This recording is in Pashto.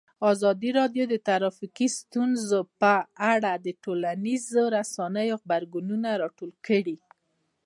ازادي راډیو د ټرافیکي ستونزې په اړه د ټولنیزو رسنیو غبرګونونه راټول کړي.